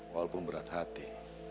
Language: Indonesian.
walaupun berat hati